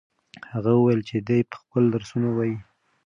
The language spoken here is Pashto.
هغه وویل چې دی به خپل درسونه وايي.